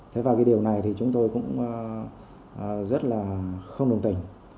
thế và cái điều này thì chúng tôi cũng rất là không đồng tình